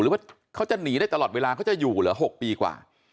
หรือว่าเขาจะหนีได้ตลอดเวลาเขาจะอยู่เหรอ๖ปีกว่า